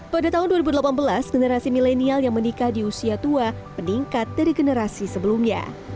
pada tahun dua ribu delapan belas generasi milenial yang menikah di usia tua meningkat dari generasi sebelumnya